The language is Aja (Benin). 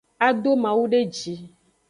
A do mawu de ji.